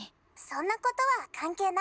「そんなことは関係ない」。